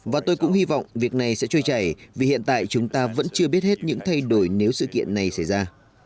và tôi cũng hy vọng việc này sẽ trôi chảy vì hiện tại chúng ta vẫn chưa biết hết những thay đổi nếu sự kiện này xảy ra